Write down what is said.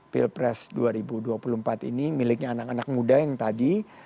pilpres dua ribu dua puluh empat ini miliknya anak anak muda yang tadi